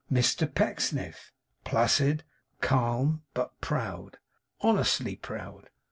Mr Pecksniff. Placid, calm, but proud. Honestly proud.